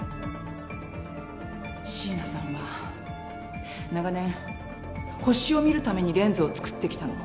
椎名さんは長年星を見るためにレンズを作ってきたの。